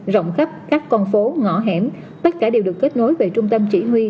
rộng khắp các con phố ngõ hẻm tất cả đều được kết nối về trung tâm chỉ huy